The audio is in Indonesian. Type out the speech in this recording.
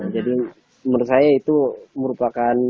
jadi menurut saya itu merupakan